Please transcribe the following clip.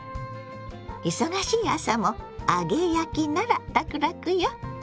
忙しい朝も揚げ焼きならラクラクよ。